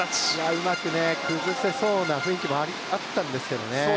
うまく崩せそうな雰囲気もあったんですけどね。